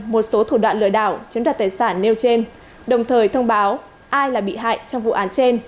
một số thủ đoạn lừa đảo chiếm đặt tài sản nêu trên đồng thời thông báo ai là bị hại trong vụ án trên